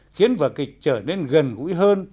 khiến vở kịch trở nên gần gũi hơn